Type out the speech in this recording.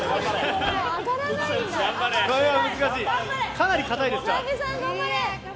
かなり硬いですから。